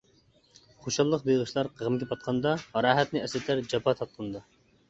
خۇشاللىق بېغىشلار غەمگە پاتقاندا، راھەتنى ئەسلىتەر جاپا تارتقاندا.